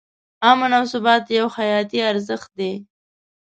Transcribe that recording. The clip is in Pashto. امن او ثبات یو حیاتي ارزښت دی.